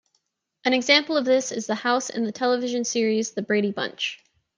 An example of this is the house in the television series "The Brady Bunch".